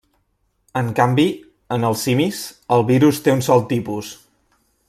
En canvi, en els simis, el virus té un sol tipus.